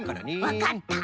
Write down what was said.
わかった。